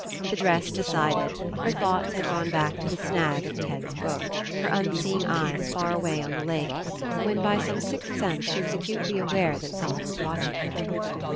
The dress decided, her thoughts had gone back to the snag of Ted's book, her unseeing eyes far away on the lake, when by some sixth sense she was acutely aware that someone was watching her.